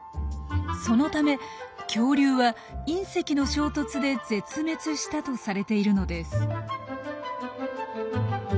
そのため恐竜は隕石の衝突で絶滅したとされているのです。